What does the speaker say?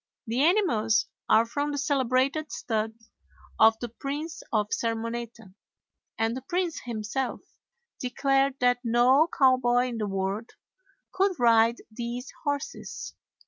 The animals are from the celebrated stud of the Prince of Sermoneta, and the prince himself declared that no cowboy in the world could ride these horses.